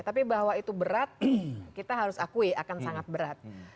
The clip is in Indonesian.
tapi bahwa itu berat kita harus akui akan sangat berat